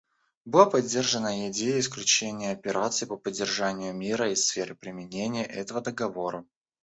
Была поддержана идея исключения операций по поддержанию мира из сферы применения этого договора.